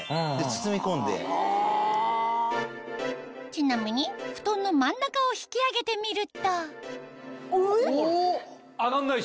ちなみにふとんの真ん中を引き上げてみるとえっ？